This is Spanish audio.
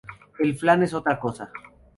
El flan es otra cosa.